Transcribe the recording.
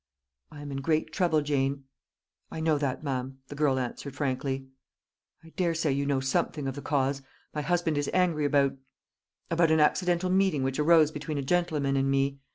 "I am in great trouble, Jane." "I know that, ma'am," the girl answered frankly. "I daresay you know something of the cause. My husband is angry about about an accidental meeting which arose between a gentleman and me.